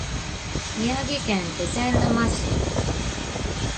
宮城県気仙沼市